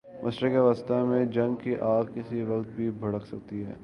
مشرق وسطی میں جنگ کی آگ کسی وقت بھی بھڑک سکتی ہے۔